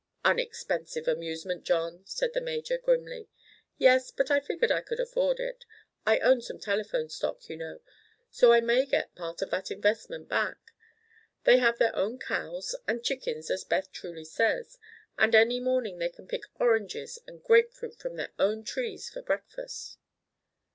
"An expensive amusement, John," said the major grimly. "Yes; but I figured I could afford it. I own some telephone stock, you know, so I may get part of that investment back. They have their own cows, and chickens—as Beth truly says—and any morning they can pick oranges and grapefruit from their own trees for breakfast."